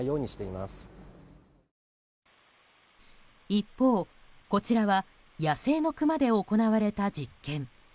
一方、こちらは野生のクマで行われた実験。